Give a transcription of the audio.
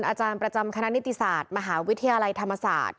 อาจารย์ประจำคณะนิติศาสตร์มหาวิทยาลัยธรรมศาสตร์